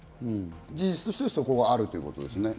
事実としてそこがあるということですね。